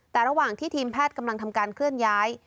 แต่ระหว่างที่ทีมแพทย์กำลังทำการเคลื่อนย้าย